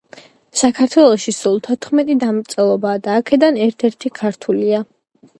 მსოფლიოში სულ თოთხმეტი დამწერლობაა და აქედან ერთ-ერთი ქართულია.